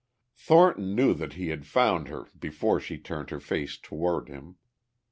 Thornton knew that he had found her before she turned her face toward him.